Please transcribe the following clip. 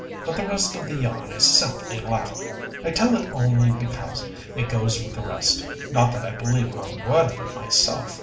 But the rest of the yarn is simply laughable. "I tell it only because it goes with the rest not that I believe one word of it myself.